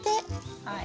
はい。